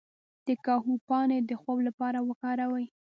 د کاهو پاڼې د خوب لپاره وکاروئ